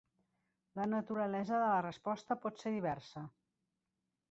La naturalesa de la resposta pot ser diversa.